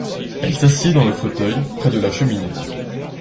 Elle s’assied dans le fauteuil, près de la cheminée.